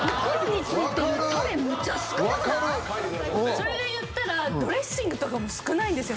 それでいったらドレッシングとかも少ないんですよ。